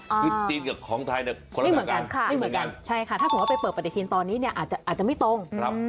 คือจีนกับของไทยเนี่ยคนละไม่เหมือนกันไม่เหมือนกันใช่ค่ะถ้าสมมุติไปเปิดปฏิทินตอนนี้เนี่ยอาจจะไม่ตรง